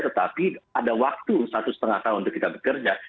tetapi ada waktu satu setengah tahun untuk kita bekerja